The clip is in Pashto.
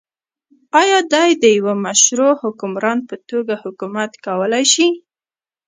آیا دی د يوه مشروع حکمران په توګه حکومت کولای شي؟